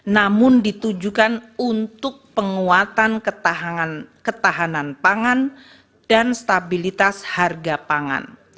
namun ditujukan untuk penguatan ketahanan pangan dan stabilitas harga pangan